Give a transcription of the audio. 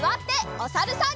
おさるさん。